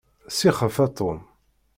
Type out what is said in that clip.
Sixef a Tom.